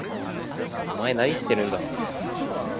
お前何してるんだ？